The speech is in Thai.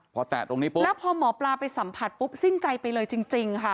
พอแตะตรงนี้ปุ๊บแล้วพอหมอปลาไปสัมผัสปุ๊บสิ้นใจไปเลยจริงค่ะ